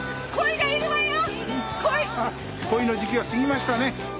恋の時期は過ぎましたね。